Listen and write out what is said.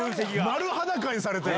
丸裸にされてる！